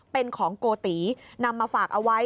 เป็นของโกตินำมาฝากเอาไว้